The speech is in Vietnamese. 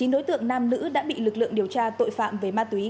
chín đối tượng nam nữ đã bị lực lượng điều tra tội phạm về ma túy